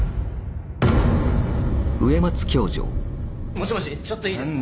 もしもしちょっといいですか？